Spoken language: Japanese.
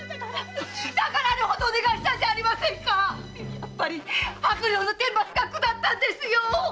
やっぱり悪霊の天罰が下ったんですよ‼